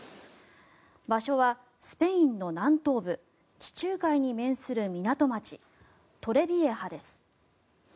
場所はスペインの南東部地中海に面する港町トレビエハです。